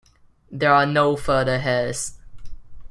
There are no further heirs.